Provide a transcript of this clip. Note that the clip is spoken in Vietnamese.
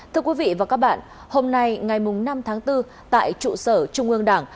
thưa quý vị và các bạn hôm nay ngày năm tháng bốn tại trụ sở trung ương đảng